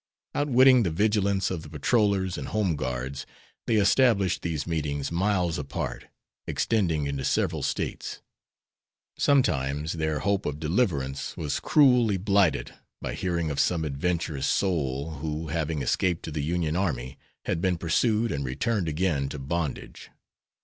Outwitting the vigilance of the patrollers and home guards, they established these meetings miles apart, extending into several States. Sometimes their hope of deliverance was cruelly blighted by hearing of some adventurous soul who, having escaped to the Union army, had been pursued and returned again to bondage.